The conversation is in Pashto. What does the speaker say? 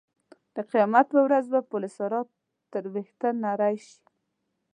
د قیامت په ورځ به پل صراط تر وېښته نرۍ شي.